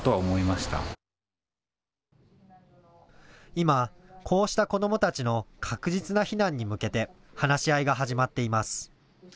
今、こうした子どもたちの確実な避難に向けて話し合いが始まっています。